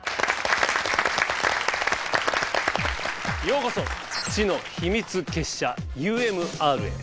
ようこそ知の秘密結社ＵＭＲへ。